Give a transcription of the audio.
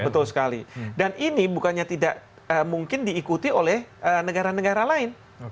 betul sekali dan ini bukannya tidak mungkin diikuti oleh negara negara lain